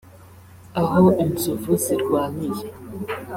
Aho inzovu zirwaniye